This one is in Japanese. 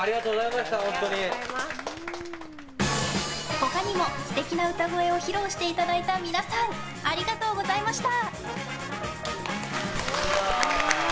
他にも素敵な歌声を披露していただいた皆さんありがとうございました！